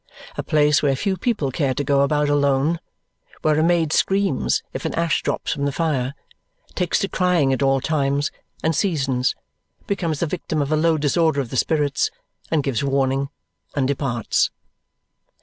A place where few people care to go about alone, where a maid screams if an ash drops from the fire, takes to crying at all times and seasons, becomes the victim of a low disorder of the spirits, and gives warning and departs.